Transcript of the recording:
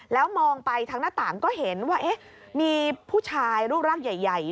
แล้วมองไปทางหน้าต่างก็เห็นว่ามีผู้ชายรูปร่างใหญ่